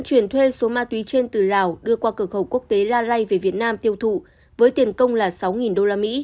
chuyển thuê số ma túy trên từ lào đưa qua cửa khẩu quốc tế la ray về việt nam tiêu thụ với tiền công là sáu usd